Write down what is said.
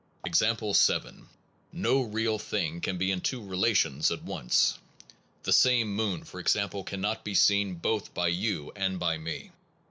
Example 7. No real thing can be in two rela tions at once; the same moon, for example, can not be seen both by you and by me.